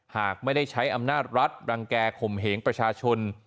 หากไม่ได้ใช้อำนาจรัฐรังแก่ข่มเหงประชาชน